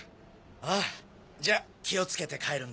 ああじゃあ気を付けて帰るんだよ。